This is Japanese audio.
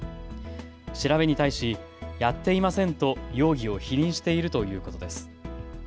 調べに対しやっていませんと容疑を否認しているということです。